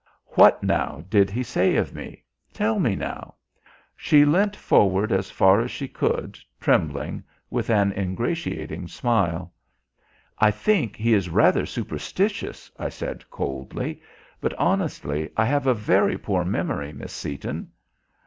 What, now, did he say of me? Tell me, now." She leant forward as far as she could, trembling, with an ingratiating smile. "I think he is rather superstitious," I said coldly, "but, honestly, I have a very poor memory, Miss Seaton."